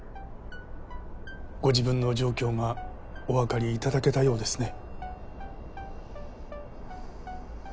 ご自分の状況がおわかりいただけたようですね。